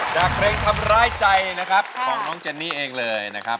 จากเพลงทำร้ายใจนะครับของน้องเจนนี่เองเลยนะครับ